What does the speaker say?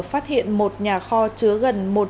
phát hiện một nhà kho chứa gần